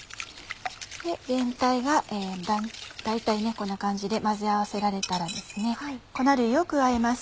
全体が大体こんな感じで混ぜ合わせられたら粉類を加えます